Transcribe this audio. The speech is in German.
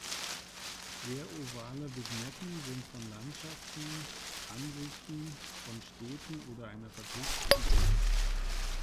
Querovale Vignetten sind von Landschaften, Ansichten von Städten oder einer Fabrik üblich.